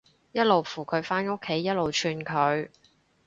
一路扶佢返屋企，一路串佢